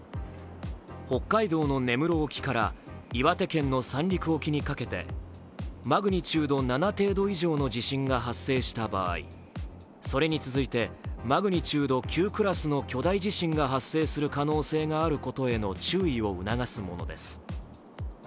北海道の根室沖から岩手県の三陸沖にかけてマグニチュード７程度以上の地震が発生した場合、それに続いて、マグニチュード９クラスの巨大地震が発生することの可能性があることへの注意を促すものです。